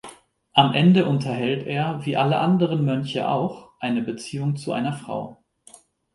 Am Ende unterhält er, wie alle anderen Mönche auch, eine Beziehung zu einer Frau.